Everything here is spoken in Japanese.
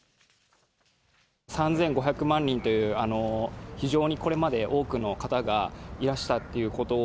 ３５００万人という、非常にこれまで多くの方がいらしたっていうことを。